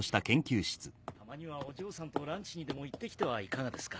たまにはお嬢さんとランチにでも行って来てはいかがですか？